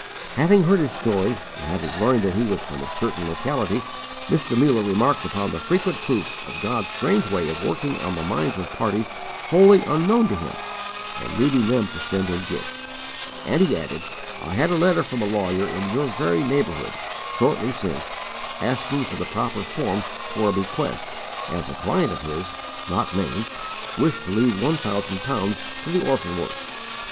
Having heard his story, and having learned that he was from a certain locality, Mr. Muller remarked upon the frequent proofs of God's strange way of working on the minds of parties wholly unknown to him and leading them to send in gifts; and he added: "I had a letter from a lawyer in your very neighbourhood, shortly since, asking for the proper form for a bequest, as a client of his, not named, wished to leave one thousand pounds to the orphan work."